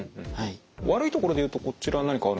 悪いところでいうとこちら何かあるんですか？